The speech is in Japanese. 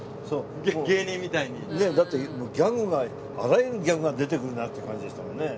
だってギャグがあらゆるギャグが出てくるなっていう感じでしたもんね。